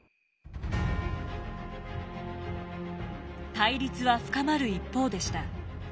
対立は深まる一方でした。